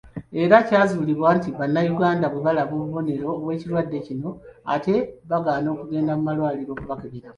Era kyazuuliddwa nti Bannayuganda bwe balaba obubonero bw'ekirwadde kino ate bagaana okugenda malwaliro okubakebera.